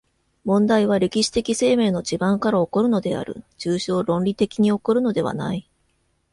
問題は歴史的生命の地盤から起こるのである、抽象論理的に起こるのではない。